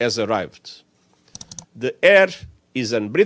airnya tidak bisa dihilangkan